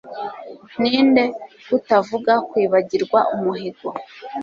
Ninde, kutavuga kwibagirwa umuhigo,